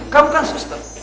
kamu kan suster